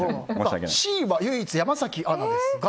Ｃは唯一、山崎アナですが。